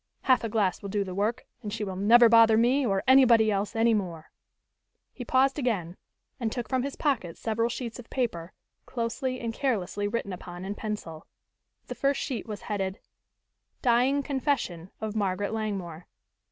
"Half a glass will do the work and she will never bother me or anybody else any more." He paused again and took from his pocket several sheets of paper, closely and carelessly written upon in pencil. The first sheet was headed: _Dying Confession of Margaret Langmore.